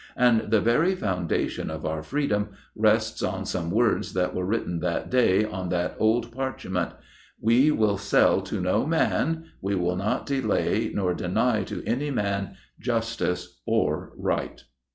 And the very foundation of our freedom rests on some words that were written that day on that old parchment: 'We will sell to no man, we will not delay nor deny to any man, justice or right.